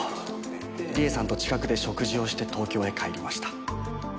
理恵さんと近くで食事をして東京へ帰りました。